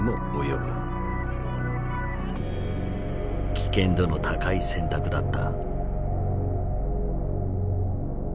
危険度の高い選択だった。